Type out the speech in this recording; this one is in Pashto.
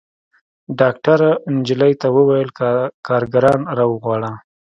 ډاکتر نجلۍ ته وويل کارګران راوغواړه.